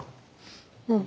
うん。